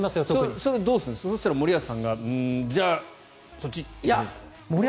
そうしたら森保さんがじゃあそっち！って決めるんですか？